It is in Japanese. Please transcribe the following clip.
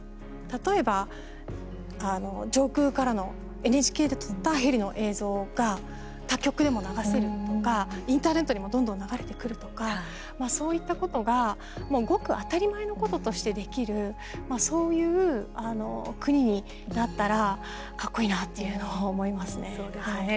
例えば、上空からのＮＨＫで撮ったヘリの映像が他局でも流せるとかインターネットにもどんどん流れてくるとかそういったことが、もう、ごく当たり前のこととしてできるそういう国になったらかっこいいなというのは思いますね。